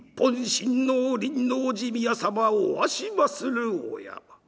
親王輪王寺宮様おわしまするお山。